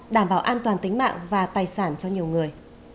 đảm bảo an toàn tính mạng và tài sản cho nhiều người